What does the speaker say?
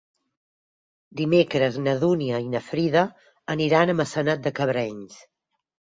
Dimecres na Dúnia i na Frida aniran a Maçanet de Cabrenys.